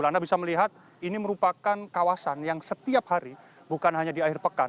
anda bisa melihat ini merupakan kawasan yang setiap hari bukan hanya di akhir pekan